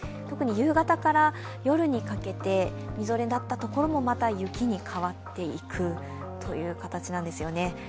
特に夕方から夜にかけてみぞれだった所もまた雪に変わっていくという形なんですよね。